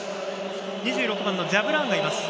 ２６番、ジャブラーンがいます。